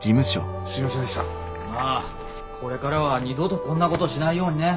まあこれからは二度とこんなことしないようにね。